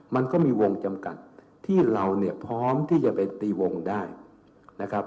มันก็มีวงจำกัดที่เราเนี่ยพร้อมที่จะไปตีวงได้นะครับ